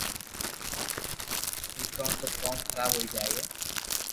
نيتوڙ تو ڪوم خراب ھوئي جائي